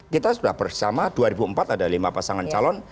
kita sudah bersama dua ribu empat ada lima pasangan calon